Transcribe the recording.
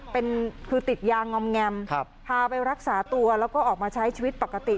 เป็นคือติดยางอมแงมพาไปรักษาตัวแล้วก็ออกมาใช้ชีวิตปกติ